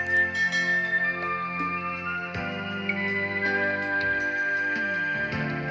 demi tuhan pak saya cuma punya segitu